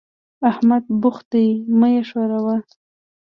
احمد بوخت دی؛ مه يې ښوروه.